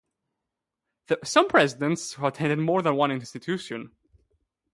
Some Presidents attended more than one institution.